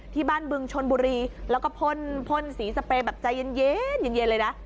ที่บ้านบึงชนบุรีแล้วก็พ่นสีสเปรย์แบบใจเย็นเลยนะ